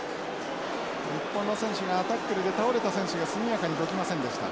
日本の選手がタックルで倒れた選手が速やかにどきませんでした。